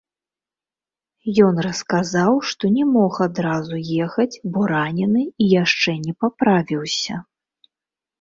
Ён расказаў, што не мог адразу ехаць, бо ранены і яшчэ не паправіўся.